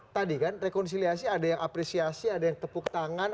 tadi kan rekonsiliasi ada yang apresiasi ada yang tepuk tangan